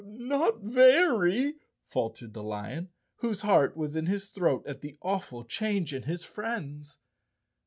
"Not very," faltered the lion, whose heart was in his throat at the awful change in his friends.